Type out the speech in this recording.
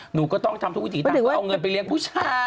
หนูก็ต้องทำทุกวิถีทางเพื่อเอาเงินไปเลี้ยงผู้ชาย